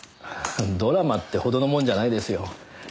ドラマってほどのもんじゃないですよ。